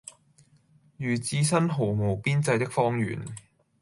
如置身毫無邊際的荒原，